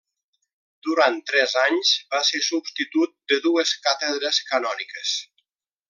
Durant tres anys va ser substitut de dues càtedres canòniques.